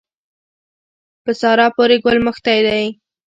په سارا پورې ګل مښتی دی.